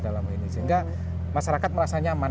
sehingga masyarakat merasa nyaman